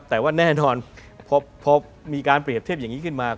แต่ว่าแน่นอนพอมีการเปรียบเทียบอย่างนี้ขึ้นมา